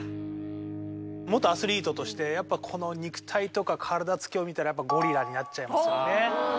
元アスリートとして肉体とか体つきを見たらゴリラになっちゃいますよね。